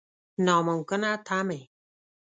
نا ممکنه تمې.